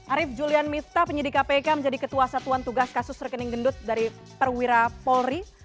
arief julian miftah penyidik kpk menjadi ketua satuan tugas kasus rekening gendut dari perwira polri